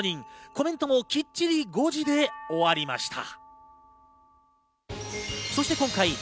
コメントもきっちり５時で終わりました。